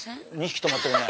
２匹とまってるね。